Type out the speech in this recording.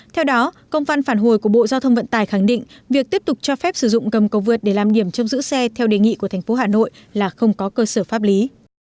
theo đó công văn phản hồi của bộ giao thông vận tải khẳng định việc tiếp tục cho phép sử dụng gầm cầu vượt để làm điểm trông giữ xe theo đề nghị của thành phố hà nội là không có cơ sở pháp lý